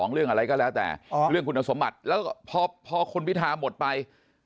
เรื่องอะไรก็แล้วแต่เรื่องคุณสมบัติแล้วพอคุณพิทาหมดไป